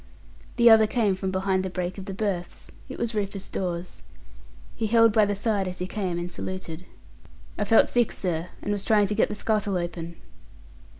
The other came from behind the break of the berths. It was Rufus Dawes. He held by the side as he came, and saluted. "I felt sick, sir, and was trying to get the scuttle open."